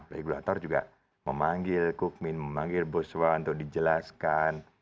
regulator juga memanggil kukmin memanggil buswa untuk dijelaskan